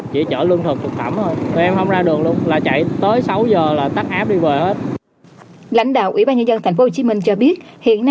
chỉ chở lương thực thực phẩm thôi tụi em không ra đường luôn là chạy tới sáu h là tắt áp đi về hết